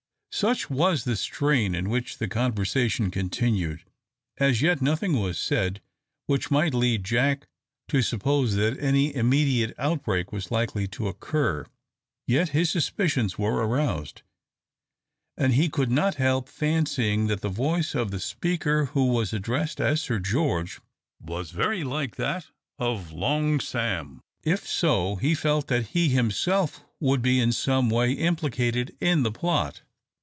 Such was the strain in which the conversation continued. As yet nothing was said which might lead Jack to suppose that any immediate outbreak was likely to occur. Yet his suspicions were aroused, and he could not help fancying that the voice of the speaker who was addressed as "Sir George" was very like that of Long Sam. If so, he felt that he himself would be in some way implicated in the plot.